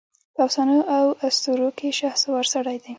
په افسانواواسطوروکې شهسوار سړی دی